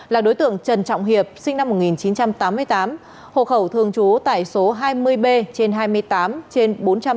là đối tượng trần trọng hiệp sinh năm một nghìn chín trăm tám mươi tám hộ khẩu thường trú tại số hai mươi b trên hai mươi tám trên bốn trăm bảy mươi